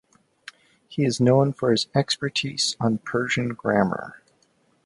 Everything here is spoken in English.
He is known for his expertise on Persian grammar.